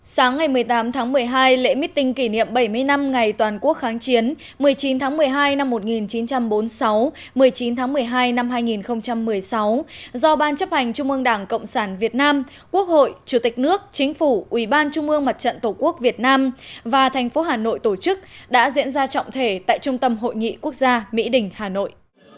sáng ngày một mươi tám tháng một mươi hai lễ mít tinh kỷ niệm bảy mươi năm ngày toàn quốc kháng chiến một mươi chín tháng một mươi hai năm một nghìn chín trăm bốn mươi sáu một mươi chín tháng một mươi hai năm hai nghìn một mươi sáu do ban chấp hành trung mương đảng cộng sản việt nam quốc hội chủ tịch nước chính phủ ubnd tổ quốc việt nam và tp hà nội tổ chức đã diễn ra trọng thể tại trung tâm hội nghị quốc gia mỹ đình hà nội